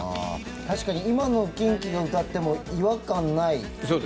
確かに今のＫｉｎＫｉが歌っても違和感ない。